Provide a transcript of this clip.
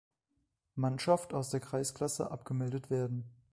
Mannschaft aus der Kreisklasse abgemeldet werden.